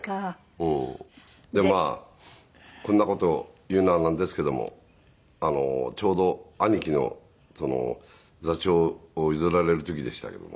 でまあこんな事を言うのはなんですけどもちょうど兄貴の座長を譲られる時でしたけども。